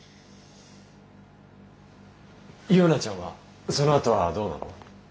ユウナちゃんはそのあとはどうなの？